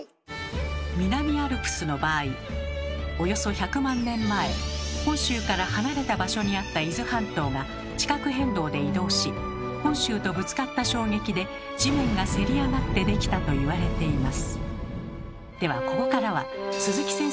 南アルプスの場合およそ１００万年前本州から離れた場所にあった伊豆半島が地殻変動で移動し本州とぶつかった衝撃で地面がせり上がってできたといわれています。